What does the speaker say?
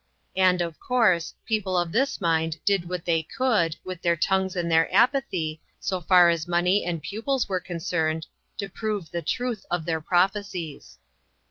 And, of course, people of this mind did what they could, with their tongues and their apathy, so far as money and pu pils were concerned, to prove the truth of their prophecies.